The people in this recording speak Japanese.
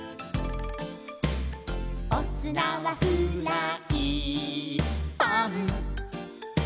「おすなはフライパン」